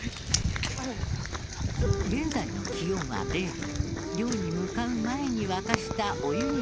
現在の気温は０度。